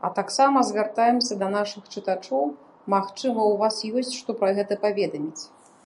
А таксама звяртаемся да нашых чытачоў, магчыма, у вас ёсць што пра гэта паведаміць.